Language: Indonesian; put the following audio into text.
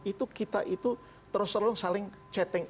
itu kita itu terus terang saling chatting